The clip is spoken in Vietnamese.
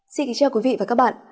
xin kính chào quý vị và các bạn